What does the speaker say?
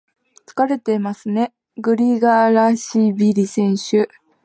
疲れてますね、グリガラシビリ選手。